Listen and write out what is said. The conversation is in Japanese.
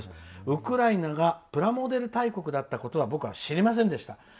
ウクライナがプラモデル大国だったことを僕は知りませんでした。